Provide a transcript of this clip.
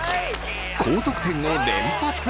高得点を連発！